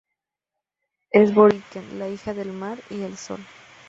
Es Borínquen la hija del mar y el sol